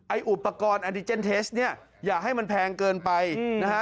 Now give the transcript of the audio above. อุปกรณ์แอนดิเจนเทสเนี่ยอย่าให้มันแพงเกินไปนะฮะ